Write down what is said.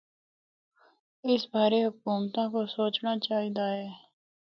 اس بارے حکومتاں کو سوچنڑا چاہی دا اے۔